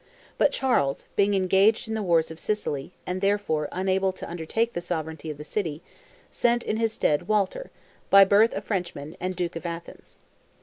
But Charles, being engaged in the wars of Sicily, and therefore unable to undertake the sovereignty of the city, sent in his stead Walter, by birth a Frenchman, and duke of Athens.